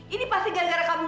ini pasti gara gara kamu